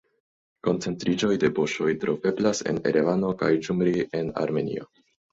Koncentriĝoj de boŝoj troveblas en Erevano kaj Gjumri en Armenio.